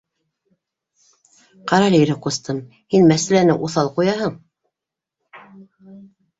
— Ҡарәле, Ирек ҡустым, һин мәсьәләне уҫал ҡуяһың